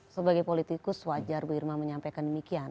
sebagai politikus wajar bu irma menyampaikan demikian